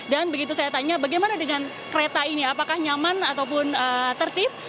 dan begitu saya tanya bagaimana dengan kereta ini apakah nyaman ataupun tertib